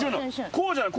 こうじゃない。